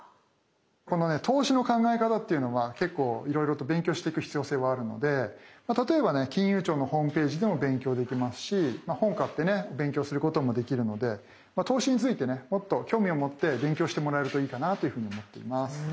この投資の考え方っていうのは結構いろいろと勉強していく必要性はあるので例えばね金融庁のホームページでも勉強できますし本買ってね勉強することもできるので投資についてねもっと興味を持って勉強してもらえるといいかなというふうに思っています。